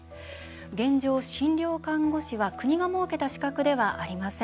現状、診療看護師は国が設けた資格ではありません。